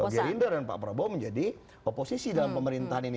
gerindra dan pak prabowo menjadi oposisi dalam pemerintahan ini